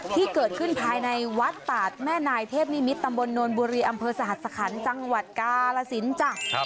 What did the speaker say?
ที่เกิดขึ้นภายในวัดตาดแม่นายเทพนิมิตรตำบลนวลบุรีอำเภอสหัสคันจังหวัดกาลสินจ้ะ